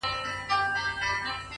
فکرونه راتلونکی جوړوي.!